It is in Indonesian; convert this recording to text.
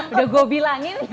udah gue bilangin